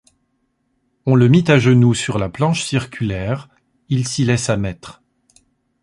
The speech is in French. On le mit à genoux sur la planche circulaire, il s’y laissa mettre.